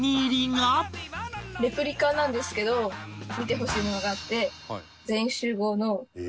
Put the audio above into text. レプリカなんですけど見てほしいものがあって。